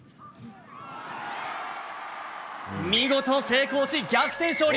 見事成功し、逆転勝利。